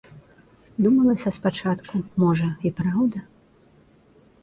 Думалася спачатку, можа, і праўда.